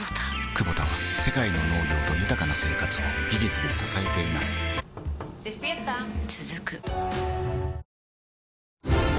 クボタは世界の農業と豊かな生活を技術で支えています起きて。